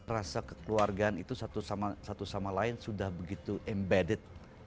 rasa kekeluargaan itu satu sama lain sudah begitu embedded